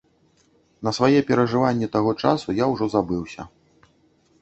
На свае перажыванні таго часу я ўжо забыўся.